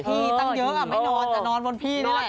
ที่ตั้งเยอะไม่นอนจะนอนบนพี่นี่แหละ